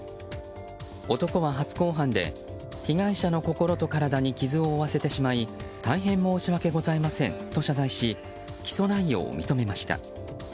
男は初公判で、被害者の心と体に傷を負わせてしまい大変申し訳ございませんと謝罪し起訴内容を認めました。